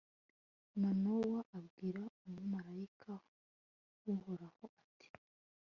manowa abwira umumalayika w'uhoraho, ati